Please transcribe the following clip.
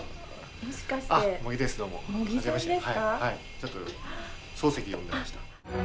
ちょっと漱石読んでました。